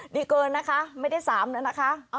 นี่เกินนะคะไม่ได้๓นะคะ